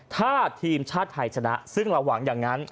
ถ้าทีมชาติไทยชนะซึ่งเราหวังอย่างนั้น